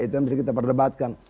itu yang bisa kita perdebatkan